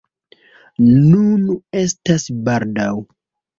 Nun estas baldaŭ!